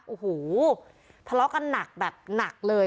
โอ้โหทะเลาะกันหนักแบบหนักเลย